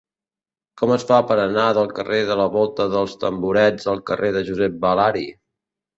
Com es fa per anar del carrer de la Volta dels Tamborets al carrer de Josep Balari?